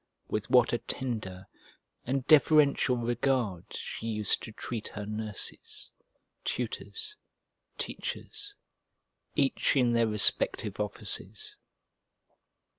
With what a tender and deferential regard she used to treat her nurses, tutors, teachers, each in their respective offices!